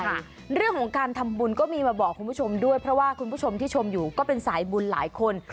เรื่องของการทำบุญก็มีมาบอกคุณผู้ชมด้วยเพราะว่าคุณผู้ชมที่ชมอยู่ก็เป็นสายบุญหลายคน